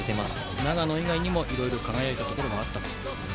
長野以外にもいろいろ輝いたところがあったと。